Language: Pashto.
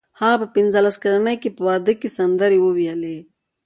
هغه په پنځلس کلنۍ کې په واده کې سندرې وویلې